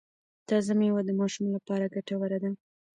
تازه میوه د ماشوم لپاره ګټوره ده۔